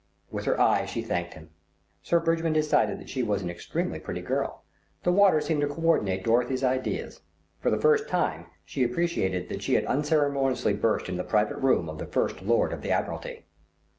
With her eyes she thanked him. Sir Bridgman decided that she was an extremely pretty girl. The water seemed to co ordinate Dorothy's ideas. For the first time she appreciated that she had unceremoniously burst into the private room of the First Lord of the Admiralty.